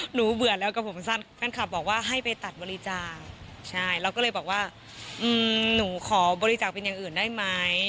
เบื่อแล้วกับผมสั้นแฟนคลับบอกว่าให้ไปตัดบริจาคใช่เราก็เลยบอกว่าหนูขอบริจาคเป็นอย่างอื่นได้ไหม